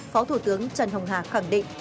phó thủ tướng trần hồng hà khẳng định